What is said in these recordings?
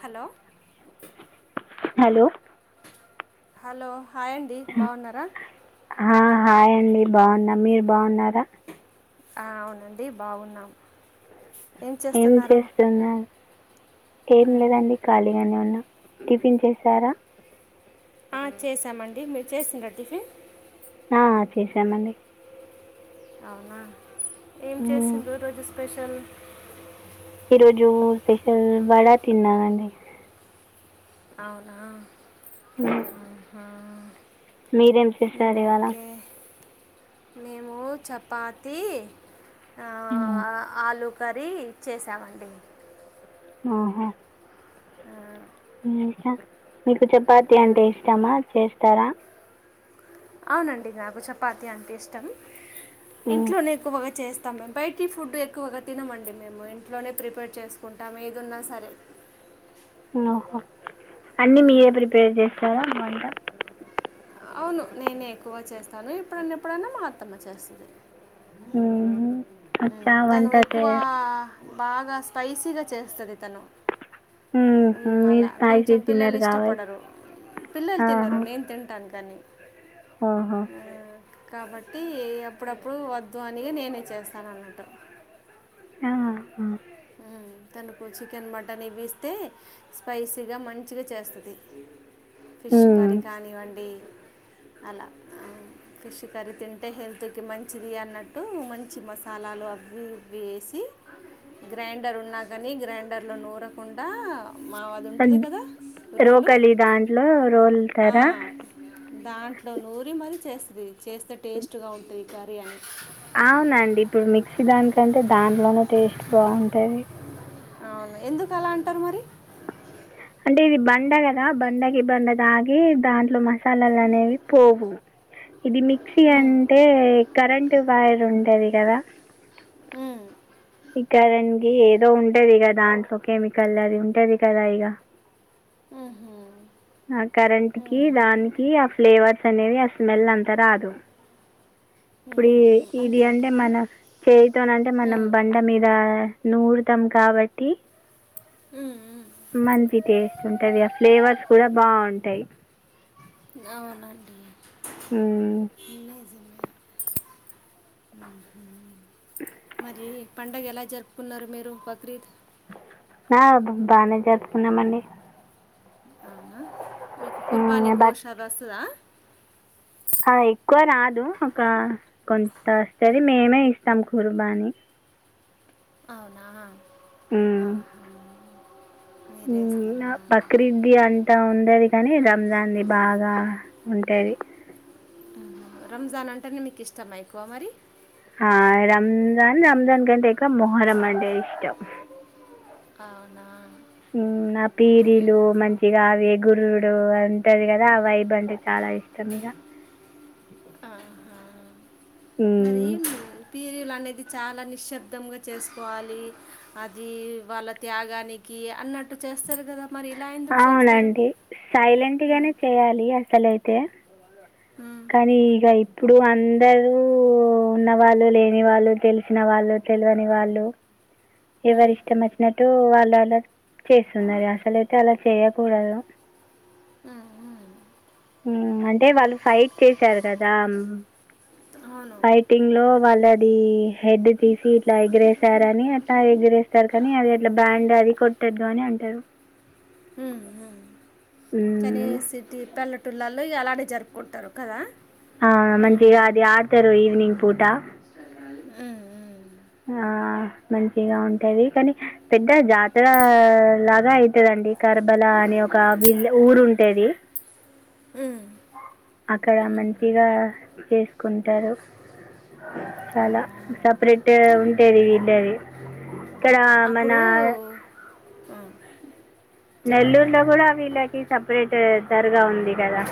Hello hello hello hi అండి బావున్నారా? ఆ హాయ్ అండి బావున్నా. మీరు బాగున్నారా? అవునండి బావున్నాం ఏం చేస్తున్నారు ఏం లేదండి ఖాళీగానే ఉన్నా టిఫిన్ చేసారా? ఆ చేసామండి మీరు చేసిండ్రా టిఫిన్? ఆ చేసామండి అవునా ఏం చేసింది రోజు స్పెషల్? ఈరోజు టిఫిన్ వడా తిన్నానండి. అవునా ఉమ్, ఉహు మీరేం చేసారు ఇవాళ? మేము చపాతి ఆ ఉమ్, ఆలూ కర్రీ ఇచ్చేసామండి. ఆహా ఆ మీకు చపాతి అంటే ఇష్టమా, చేస్తారా? అవునండి నాకు చపాతి అంటే ఇష్టం. ఉమ్, ఇంట్లోనే ఎక్కువగా చేస్త త్తాం బయటి ఫుడ్ ఎక్కువగా తినమండి మేము. ఇంట్లోనే ప్రిపేర్ చేసుకుంటాము ఏదున్నా సరే [inaudible] ఓహో అన్ని మీరే ప్రిపేర్ చేస్తారా వంట? అవును నేనే ఎక్కువ చేస్తాను ఎప్పుడన్న ఎప్పుడైన్నా మా అత్తమ్మ చేస్తది. ఉమ్, ఉ వచ్చా తను వంట చే ఎక్కువ బాగా స్పైసీగా చేస్తది తను ఉమ్, మ్ మీరు అలా స్పైసీ కొంచెం పిల్లలు తినరు కాబట్టి ఇష్టపడరు. పిల్లలు తినరు నేను తింటా ఆహా కాబట్టి అప్పుడప్పుడు వద్దు అనిగ నేనే చేస్తాను అన్నట్టు ఆహ మ్ తనకు చికెన్, మటన్ ఇవి ఇస్తే స్పైసీగా మంచిగా చేస్తది. ఫిష్ కర్రీ కానివ్వండి అలా మ్ పిష్ కర్రీ తింటే హెల్త్కి మంచిది అన్నట్టు మంచి మసాలాలు అవి ఇవి వేసి గ్రైండర్ ఉన్నా కాని గ్రైండర్ లో నూరకుండా మా అది సన్ ఉంటుంది కదా రోలు రోకలి దాంట్లో ఆ, రోలుతారా? దాంట్లో నూరి మరీ చేస్తది చేస్తే టేస్ట్ గా ఉంటుంది కర్రీ అని అవునండి ఇప్పుడు మిక్సీ దానికంటే దాంట్లోనే టేస్ట్ బావుంటది. అవును ఎందుకు అలా అంటారు మరి? అంటే ఇది బండగదా బండకి బండ తాగి దాంట్లో మసాలాలు అనేవి పోవు. ఇది మిక్సీ ఉమ్, అంటే కరెంట్ వైర్ ఉంటది కదా మ్ ఇక్కదనికి ఏదో ఉంటది కదా కెమికల్ అది ఉంటది కదా ఇక ఆహ ఆ కరెంట్ కి దానికి ఆ ఫ్లేవర్ సనేవి ఆ స్మెల్ అంతారదు ఇప్పుడు మ్మ్. ఇది అంతే అంటే కదా మనం చేయితోనీ అంటే మనం ఉమ్, బండ్ల మీద నూర్తాం కాబట్టి మంచి టేస్ట్ ఉంటది ఆ ఫ్లేవర్స్ కూడా బాగుంటాయి అవునండి ఆహ్ హుహ్ మరి పడగ ఎలా జరుపుకున్నారు మీరు బక్రీద్ ఆహ్ బానే జరుపుకున్నామండి అవునా మీకు కుర్బానీ మ్మ్, బట్ గోష్ ఆది వస్తదా ఆ ఎక్కువ రాదు ఒక కొంత వస్తుంది మేమే ఇ తం కుర్బాని అవునా ఆహా మ్మ్. మీరే ఇస్తార నాక్ బక్రీద్ది అంతా ఉండది కాని రంజాది బాగా ఉంటది ఆహా రంజాన్ అంటేనే నీకు ఇష్టంమ ఎక్కువ మరి ఆ రంజాన్ రంజాన్ కంట ఎక్కువ మొహరమాంట ఇష్టం అవునా ఉమ్ నా పీరీలు మంచిగా అవి గుర్రు ఉమ్ అంటది కదా ఆహ్ వైబ్ అంటే చాలా ఇష్టం ఇక మరి ఉమ్, తిర్ అనేది చాలా నిశ్శబ్దంగా చేసుకోవాలి అది వాళ్ళ త్యాగానికి అన్నట్టు చేస్తారు కదా మరి ఇలా ఎందుకు చేస్తారు అవునండి ఆ. సైలెంట్గానే చేయాలి అసలైతే ఉమ్, కానీ ఇగ ఇప్పుడు అందరూ ఉన్నవాళ్ళు లేని వాళ్ళు తెలిసిన వాళ్ళు తెలవని వాళ్లు ఎవరి ఇష్టం వచ్చినట్ వాల్ అలా చేస్తున్నారు అసలయితే అలా చేయకూడదు ఆహా అంటే వాళ్ళు ఫైట్ చేశారు కదా అవును ఫైటింగ్ లో వాళ్ళదీ హెడ్ తీసి ఇట్లా ఎగిరేసారు అని అట్లా ఎగిరేస్తారు కానీ అది అట్లా బ్యాండ్ అది కొట్టద్దు అని అంటారు హుహ్ కానీ హ్మ్. సిటీ పల టూరు లల్ల ఇగ అలాగే జరుపుకుంటారు కదా ఆజ్ మంచిగా ఉమ్, అది ఆడతారు ఈవినింగ్ పూట ఆహా హా ఆహా మంచిగా ఉంటాది కానీ పెద్ద జాతరా లాగా అయితదండి కర్బల అనే ఒక విల్ ఊరు ఉంటది ఉహ్ అక్కడ మంచిగా చేసుకుంటారు చాలా అవునా సపరేట్ ఉంటేది వీళ్ళేది ఇక్కడ మన అప్పుడు ఆ, చెప్పండి నెల్లూరులో కూడా వీళ్ళకి సపరేట్ దరగా ఉంది కదా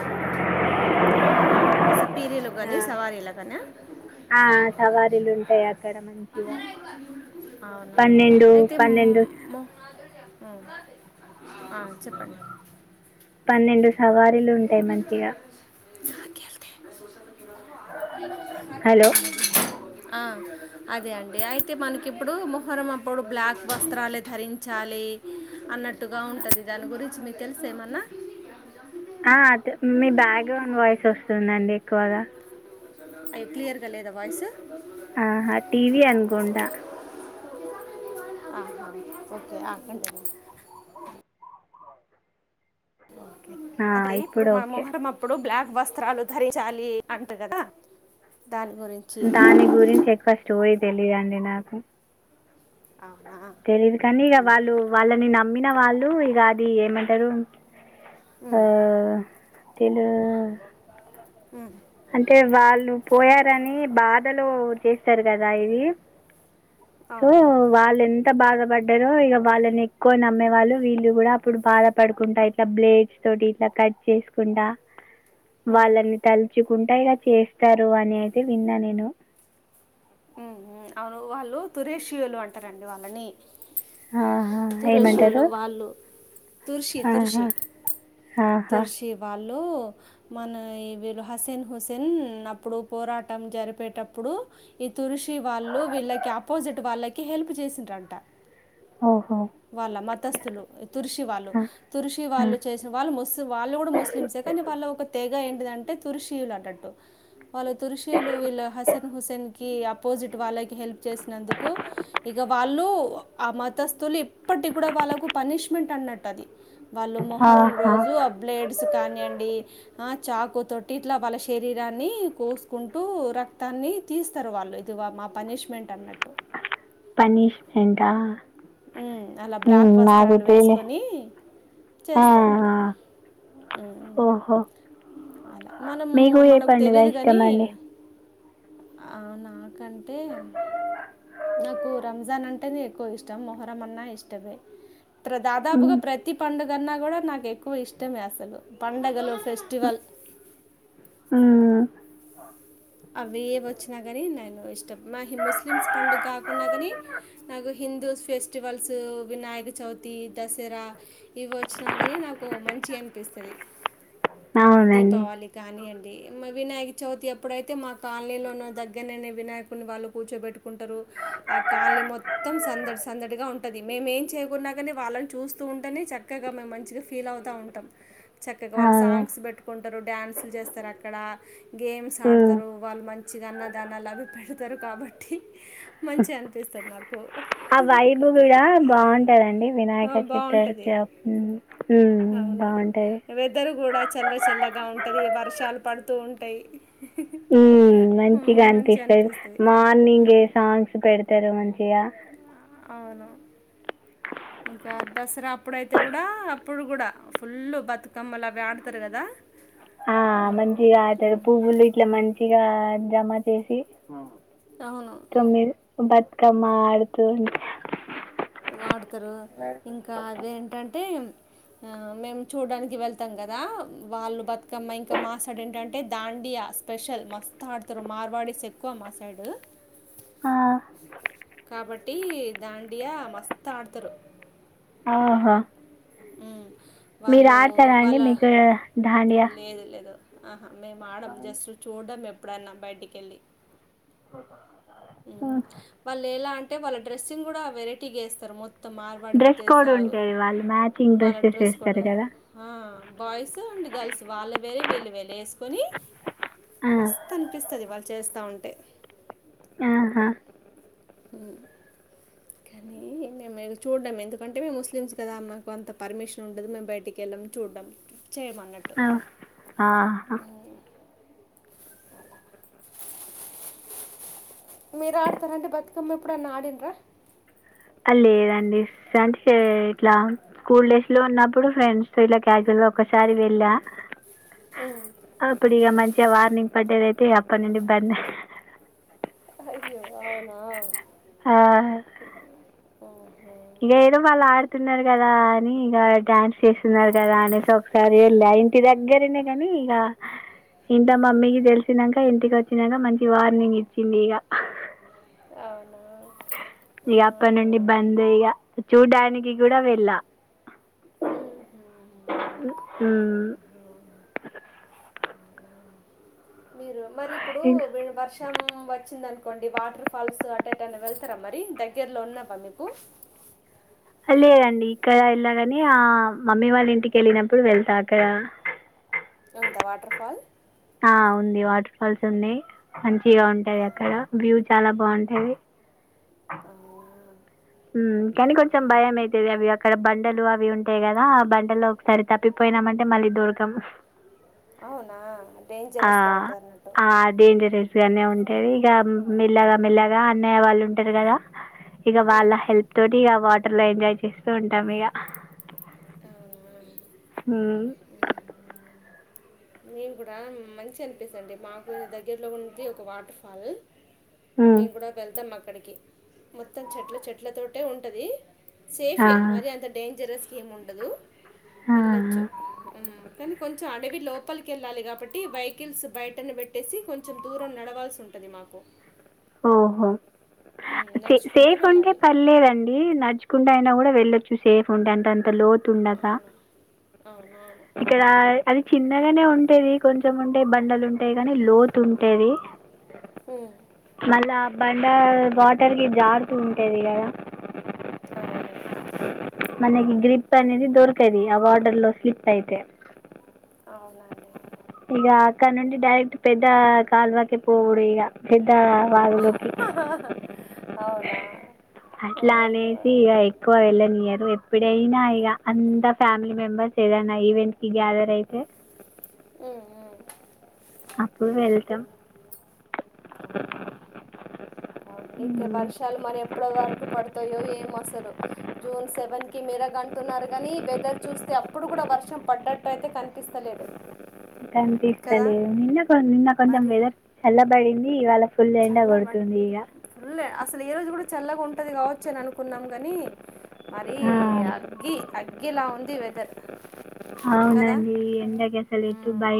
అవునా పీరీలు కానీ సవారీల కానీ ఆహ్ ఆ సవారీలు ఉంటాయి అక్కడ మంచిగా అవున పన్నెండు అయితే పన్నెండు ము ఆ చెప్పండి పన్నెండు సవారీలు ఉంటాయి మంచిగా చెప్పండి హలో ఆ అదే అండి అయితే మనకి ఇప్పుడు మొహరం అప్పుడు బ్లాక్ వస్త్రాలే ధరించాలి అన్నట్టుగా ఉంటుంది దాని గురించి మీకు తెలుసా ఏమన్నా ఆ మీ బ్యాక్గ్రౌండ్ వాయిస్ వస్తుందండి ఎక్కువగా అయి క్లియర్గా లేదా వాయిస్ టీవీ అనుకుంటా ఆ ఓకే ఆ అంటే ఇప్పుడు మన మొహరం అప్పుడు బ్లాక్ వస్త్రాలు ధరించాలి అంట కదా దాని గురించి దాని గురించి ఎక్కువ స్టోరీ తెలీదుండి నాకు అవునా తెలీదు కానీ ఇక వాళ్ళు వాళ్ళని నమ్మిన వాళ్ళు ఇక అది ఏమంటారు ఆ ఉమ్, తెలు అంటే వాళ్ళు పోయారని బాధలో చేస్తారు కదా ఇది సో అవును వాళ్ళ ఎన్ ఎంత బాధపడ్డారో ఇక వాళ్ళని ఎక్కువ నమ్మే వాళ్ళు వీళ్ళు కూడా అప్పుడు బాధ పడుకుంటారు ఇట్లా బ్లేడ్స్ తోటి ఇట్లా కట్ చేసుకుండా వాళ్ళని తలుచుకుంటే ఇలా చేస్తారు అని అయితే విన్నా నేను ఉ అవును వాళ్ళు తురేషీళ్లు అంటారండి వాళ్ళని ఆహా, తురుషలు ఏమంటారు వాళ్ళు తుర్షి తుర్షి ఆహా, ఆహా, తుర్షి వాలు మన వీళ్ళు హసేన్ హుసేన్ అప్పుడు పోరాటం జరిపేటప్పుడు ఈ తురుషీ వాళ్ళు వీళ్ళకి అపోజిట్ వాళ్ళకి హెల్ప్ చేసిర్రు అంటా ఓహో వాళ్ళ మతస్థులు తుర్సి వాళ్ళు ఆ, తుర్సి ఆ, వాళ్ళు చేసిన వాళ్ళు ముస్లి వాళ్ళు కూడా ముస్లిమ్స్ నీ వాళ్ళ ఒక తెేగ ఏంటి అంటే తురుషీయులు అన్నట్టు వాళ్ళ తురుషీయులు వీళ్ళ హసెన్ హుసేన్ అపోజిట్ వాళ్ళకి హెల్ప్ చేసినందుకు ఇక వాళ్ళు ఆ మతస్తులు ఇప్పడు కాబట్టి కూడా వాళ్ళకు పనిష్మెంట్ అన్నట్టు అది వాళ్ళు మొహరం ఆహా, రోజు అ బలేడ్స్ కానివండి ఆ చాకుతోటు ఇట్లా వాళ్ళ శరీరాన్ని కోసుకుంటూ రక్తాన్ని తీసు వాళ్ళు ఇది మా పనిష్మెంట్ అన్నట్టు పనిష్మెంట్ ఆ ఉమ్ అలా బ్లాక్ వస్త్రాలు తెలియ వేసుకొని ఆ, చేస్తారు అలా ఉమ్, ఓహో అలా మనం మీకు ఏ మనకు పండుగ తెలిదు ఇష్టం కాని అండి ఆ నాకంటే నాకు రంజాన్ అంటేనే ఎక్కువ ఇష్టం ఇష్టము మొహరమన్నా ఇష్టమే దాదాపుగా మ్మ్ ప్రతి పండుగ కన్నా కూడా నాకు ఎక్కువ ఇష్టమే అసలు పండగలు ఫెస్టివల్ ఉమ్ అవి ఏ వచ్చినా కాని నేను ఇష్టం మా ముస్లిమ్స్ పండుగ కాకున్నా కానీ నాకు హిందూ ఫెస్టివల్స్ వినాయక చవితి దసరా ఇవి వచ్చినా కాని నాకు మంచిగ అనిపిస్తదీ అవునండి దీపావళి కానీయండి వినాయక చవితి అప్పుడు అప్పుడైతే మా కాలనీలోన దగ్గరనేనే వినాయకుని వాళ్ళు కూర్చోబెట్టుకుంటారు ఆ కాలనీ మొత్తం త్తం సందడి సందడిగా ఉంటది మేమేం చేయకున్నా గానీ వాళ్ళని చూస్తూ ఉంటేనే చక్కగా మేం మంచిగా ఫీల్ అవు తా ఉంటం చక్కగా వాళ్ళు అవును సాంగ్స్ బెట్టుకుంటారు డ్యాన్స్లు చేస్తారు అక్కడ గేమ్స్ ఆడు మ్మ్ వాళ్ళు మంచిగా అన్నదానాలు అవి పెడతారు కాబట్టి మంచిగా అనిపిస్తది నాకు ఆ వైబు గుడా బాగుంటదండి ఆ, వినాయక బాగుంటుంది చతుర్థప్ ఉమ్ ఉమ్మ్ అవును బాగుంటది వెదర్ కూడా చల్ల చల్లగా ఉంటది వర్షాలు పడుతూ ఉంటయ్ ఉ మంచిగా అనిపిస్తది అనిపిస్తుంది మార్నింగ్ ఏ ఉమ్. సాంగ్స్ పెడతరు మంచిగా అవును ఇంకా దసరా అప్పుడైతే కూడా అప్పుడు కూడా ఫుల్లు బతుకమ్మలవి ఆడుతారు గదా ఆ మంచిగా అడుతరు పువ్వులు ఇట్లా మంచిగా జమ చేసి అవును తొమ్మిది బతుకమ్మ ఆడుతూ వాడతరు ఇంకా అవెంటంటే ఆ మేమ్ చూడానికి వెళ్తాం కదా వాళ్ళు బతుకమ్మ ఇంకా మాసైడ్ ఏంటంటే దాండి యా స్పెషల్ మస్తఆడ్తర్ మార్వాడీస్ ఎక్కువ మా సైడు ఆ కాబట్టి దాండియా మస్త్ ఆడ్తరు ఆహ్ ఉమ్ మీరడుతారాండి మీకు దాండియా మేమ్ ఆడం జస్ట్ చూడ్డమే ఎప్పుడన్నా బయటికెళ్ళి ఓ వాళ్ళు ఎలా అంటే వాళ్ళ డ్రెస్సింగ్ కూడా వెరైటీగేస్తరు మొత్ డ్రెస్ కోడ్ ఉంటది వాళ్ళ వాళ్ళ dress code boys and girls వాల్లె వేరే విళ్ళు వెలె ఎసుకొని ఆ మస్తనిపిస్తది వాళు చేస్త ఉంటే ఆహా కానీ మేమెల్లి చూడ్డం ఎందుకంటే మేము ముస్లిమ్స్ కదా మాకు అంత పర్మిషన్ ఉండదు మేం బయటికెళ్ళం చూడ్డం కి చేయమన్నట్టు ఆహ్ మీరడ్తారంటే బతుకమ్మ ఎప్పుడన్న ఆడింన్రా అ లేదండి సెంట్స్ ఎ ఇట్లా స్కూల్ డేస్ లో ఉన్నప్పుడు ఫ్రెండ్స్ తో ఇట్లా క్యాజువల్గా ఒకసారి వెళ్ళ అప్పుడిగ మంచిగా వార్నింగ్ పడ్డదైతే ఇగ అప్పనుండిబ్బంద్ అయ్యో అవునా హ ఓహ ఇంగేదో వాళ్ళు ఆడుతున్నారు కదా అని ఇగ డాన్స్ చేస్తున్నారు కదా అనేసి ఒకసారి వెళ్ళ ఇంటి దగ్గరనే కాని ఇగ ఇంట మమ్మీకి తెలిసినంక ఇంటికచ్చినంక మంచి వార్నింగ్ ఇచ్చింది ఇగ అవునా ఆహా. చూడ్డానికి కూడా వెళ్ళా మ్మ్. ఉమ్ మీరు మరి ఇప్పుడు ఇంకా వర్షం వచ్చిందం కోండి వాటర్ ఫాల్స్ అట్టేటన్న వెళ్తారా మరి దగ్గర్లో ఉన్నావా మీకు లేదండి ఇక్కడ ఎళ్ళగానే ఆ మమ్మీ వాళ్ళ ఇంటికి ఎళ్ళినప్పుడు వెళ్తా అక్కడ ఉంతా వాటర్ ఫాల్ ఆ ఉంది వాటర్ ఫాల్స్ ఉంది మంచిగా ఉంటాది అక్కడ వ్యూ చాలా బాగుంటాది అవునా కానీ కొంచెం మ్మ్. భయం అయితది అవి అక్కడ బం బంటలు అవి ఉంటాయి కదా బంటల్లో ఒకసారి తప్పిపోయినామంటె మళ్ళీ దొరకం అవునా ఆ! డేంజరెస్స్గా ఉంటదన్నట్టు ఆ! డేంజరస్‌గానే ఉంటది ఇగ మెల్లగా మెల్లగా అన్నయ్య వాళ్ళు ఉంటారు కదా ఇగ వాళ్ళ ఉమ్. హెల్ప్ తోటి ఇగ వాటర్ లో ఎంజాయ్ చేస్తూ ఉంటాం ఇగ అవునా ఉ నేను కూడా మంచి అనిపిస్తడి మాకు దగ్గరలో ఉండే ఒక వాటర్ ఫాల్ హ్మ్. మేము కూడా వెళ్తాం అక్కడికి మొత్తం చెట్ల చెట్ల తోటే ఉంటది ఆ! సేఫే మరి అంత డేంజరస్ ఏమి ఉండదు ఆ! వెళ్ళొచ్చు కానీ కొంచెం అడవి లోప్ లోప్పలికెళ్ళాలి కాబట్టి వెహికల్స్ బయటను పెట్టేసి కొంచెం దూరం నడవాల్సి ఉంటుంది మాకు ఓహో ఉమ్, నడుచుకుంటూ సేఫ్ ఉంటే వెళ్ళాలి పర్లేదండి నడ్చ్ కుంట అయినా కూడా వెళ్ళొచ్చు సేఫ్ ఉంటే అంటె అంత లో తు ఉన్డక అవును అవునవును ఇక్కడ అది చి అనగానే ఉంటది కొంచెం ఉంటయి బండలు ఉంటాయి కాని లోతు ఉంటది ఉ మళ్ళా బండ వాటర్కి జారుతూ ఉంటది కదా అవును మనకి గ్రిప్ ఉమ్, అనేది దొరకది ఆ వార్డర్ లో స్లిప్ అయితే అవునండి ఇక అక్కడ నుండి డైరెక్ట్ పెద్ద కాల్వాకి పోవుడే ఇగ పెద్ద వాగులోకి అవునా ఆ న్ ఇయర్ ఎప్పుడైనా ఇగ అంత ఫ్యామిలీ మెంబెర్స్ ఏదైనా ఈవెంట్ కి గ్యాదర్ అయితే ఉ ఉ అప్పుడు వెళ్తం అవును ఇంకా వర్షాలు మన ఎప్పటి వరకు పడతాయో ఏం అసలు జూన్ సెవెన్ కి మిర కంటున్నారు కానీ వెదర్ చూస్తే అప్పుడు కూడా వర్షం పడ్డట్టుయితే కనిపిస్తలేదు కదా కనిపిస్తలేదు నిన్న కొన్ నిన్న కొంచెం మరి వెదర్ చల్బడింది ఇవాళ ఫుల్ ఎండ చల్ల మ కొడుతుంది ఇక ఫుల్ అసలు ఈ రోజు కూడా చల్లగుంటది కావచ్చు అని అనుకున్నాం గని మరి ఆ, అగ్గి అగ్గిలా ఉన్ ది వెదర్ కదా అవునండి ఎండకిసలు ఎటు బయ మ్మ్.